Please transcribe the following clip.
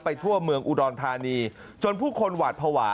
ทั่วเมืองอุดรธานีจนผู้คนหวาดภาวะ